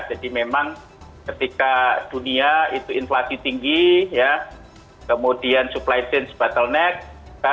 jadi memang ketika dunia itu inflasi tinggi ya kemudian supply chain bottleneck